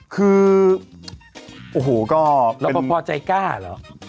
คือโอ้โหก็รอบพอพอใจก้าเหรอ